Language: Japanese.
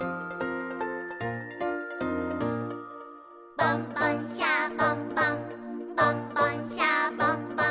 「ボンボン・シャボン・ボンボンボン・シャボン・ボン」